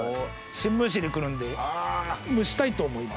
新聞紙にくるんで蒸したいと思います。